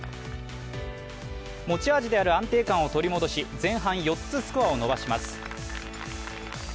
持ち味である安定感を取り戻し前半４つスコアを伸ばします。